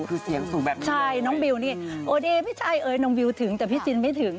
คือเสียงสูงแบบนี้ใช่น้องบิวนี่โอเดพี่ชายเอ๋ยน้องบิวถึงแต่พี่จินไม่ถึง